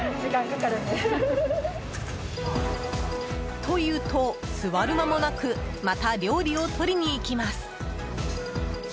と言うと、座る間もなくまた料理を取りに行きます。